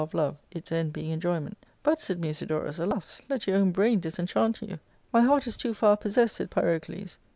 of love, its end being enjoyment. " But," said Musidorus,l ^* alas ! let your own brain disenchant you." " My heart is; too far possessed," said Pyrocles.